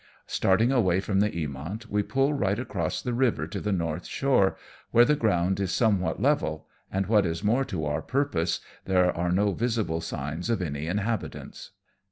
Starting away from the Eamont, we pull right across the river to the north shore, where the ground is somewhat level, and, what is more to our purpose, there are no visible signs of any habitations.